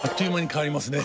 変わりますね。